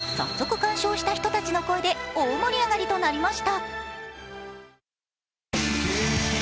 ＳＮＳでは、早速鑑賞した人たちの声で大盛り上がりとなりました。